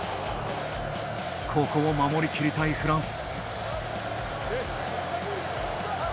ここを守りきりたいフランス。